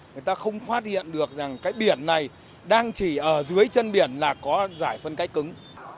người ta không phát hiện được rằng cái biển này đang chỉ ở dưới chân biển là có giải phân cách cứng